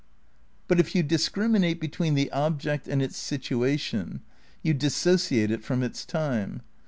But if you discriminate between the object and its situa tion you dissociate it from its time.